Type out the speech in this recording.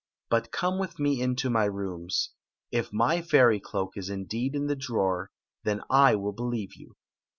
" But come with me into my rooms. If my fairy cloak is indeed in the drawer, then I will believe you."